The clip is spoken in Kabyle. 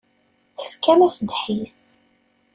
Tefkam-as ddḥis.